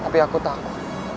tapi aku tahu